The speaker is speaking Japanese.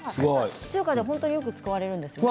中華では本当によく使われるんですよね。